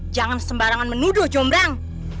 jangan sembarangan menuduh jomrang